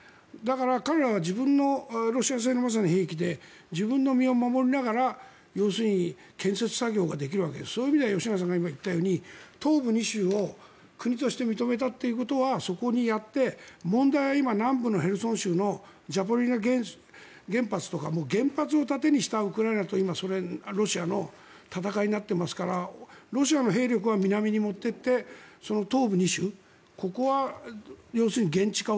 彼らは自分のロシア製の兵器で自分の身を守りながら要するに建設作業ができるのでそういう意味では今、吉永さんが言ったように東部２州を国として認めたということはそこにやって問題は今、南部のヘルソン州のザポリージャ原発とかもう原発を盾にしたウクライナとロシアの戦いになっていますからロシアの兵力は南に持っていって東部２州ここは要するに現地化